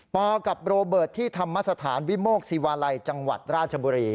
กับโรเบิร์ตที่ธรรมสถานวิโมกศิวาลัยจังหวัดราชบุรี